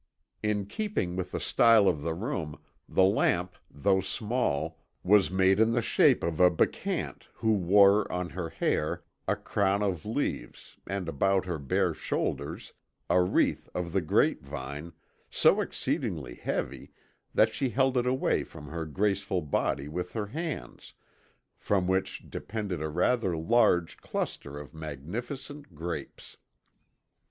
In keeping with the style of the room, the lamp though small was made in the shape of a bacchante who wore on her hair a crown of leaves and about her bare shoulders a wreath of the grapevine, so exceedingly heavy that she held it away from her graceful body with her hands, from which depended a rather large cluster of magnificent grapes.